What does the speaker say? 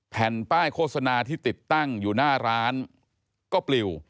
แผ่นป้ายโฆษณาที่ติดตั้งอยู่หน้าร้านก็ปลิว